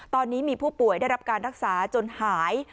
ตอนนี้มีผู้ป่วยได้รับการรักษาจนหาย